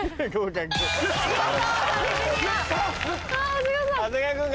あ長谷川さん。